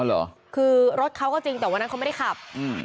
เหรอคือรถเขาก็จริงแต่วันนั้นเขาไม่ได้ขับอืม